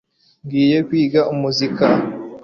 ngiye kwiga umuzika